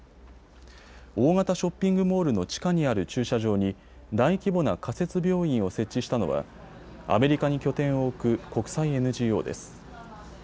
大型ショッピングモールの地下にある駐車場に大規模な仮設病院を設置したのはアメリカに拠点を置く国際ＮＧＯです。